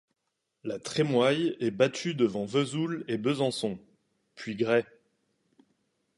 La Trémoille est battu devant Vesoul et Besançon, puis Gray.